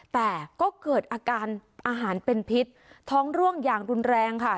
แต่ก็เกิดอาการอาหารเป็นพิษท้องร่วงอย่างรุนแรงค่ะ